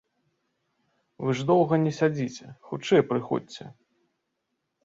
Вы ж доўга не сядзіце, хутчэй прыходзьце.